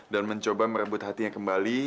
dan mencoba merebut hatinya kembali